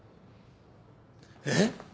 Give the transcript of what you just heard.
えっ！？